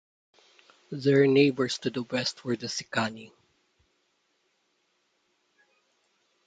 Their neighbours to the west were the Sicani.